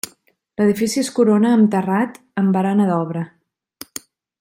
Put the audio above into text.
L'edifici es corona amb terrat amb barana d'obra.